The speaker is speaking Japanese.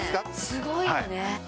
すごいよね！